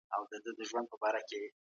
سولي سند لاسلیک کړ، چي دا د هغه وخت د ټولو